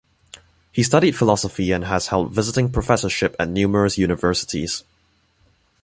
He studied philosophy and has held visiting professorship at numerous universities.